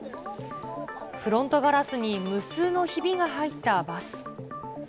フロントガラスに無数のひびが入ったバス。